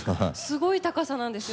すごい高さなんですよ。